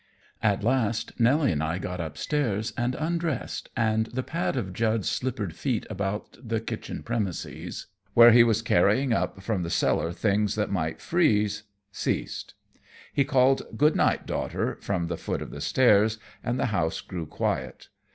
At last Nelly and I got up stairs and undressed, and the pad of Jud's slippered feet about the kitchen premises where he was carrying up from the cellar things that might freeze ceased. He called "Good night, daughter," from the foot of the stairs, and the house grew quiet.